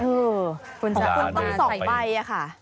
ขอบคุณต่างใส่ใบอะค่ะ